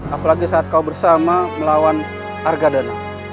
apalagi saat kau bersama melawan argadana